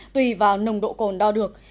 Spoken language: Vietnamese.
tùy vào nồng độ cồn đo được